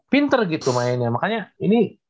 pinter gitu mainnya makanya ini